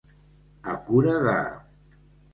A cura de.